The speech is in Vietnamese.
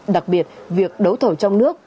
đặc biệt việc đấu thầu trong nước